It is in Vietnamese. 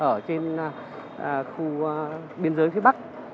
ở trên khu biên giới phía bắc